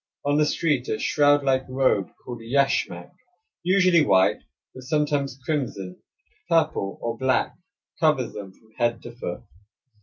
On the street a shroud like robe called yashmak, usually white, but sometimes crimson, purple, or black, covers them from head to foot.